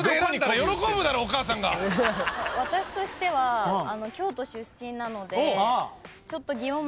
私としては京都出身なので祇園祭。